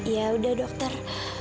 ya udah dokter